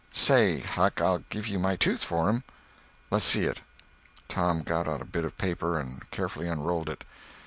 "Say, Huck—I'll give you my tooth for him." "Less see it." Tom got out a bit of paper and carefully unrolled it.